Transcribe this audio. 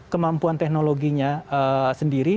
kemampuan teknologinya sendiri